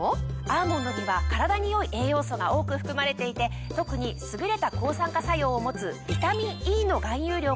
アーモンドには体に良い栄養素が多く含まれていて特に優れた抗酸化作用を持つビタミンＥの含有量が非常に多いんです。